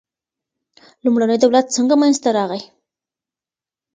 لومړنی دولت څنګه منځ ته راغی.